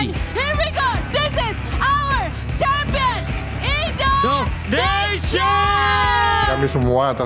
ini adalah pembantuan kita indonesia